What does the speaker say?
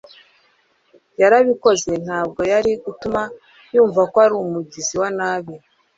yarabikoze. ntabwo yari gutuma yumva ko ari umugizi wa nabi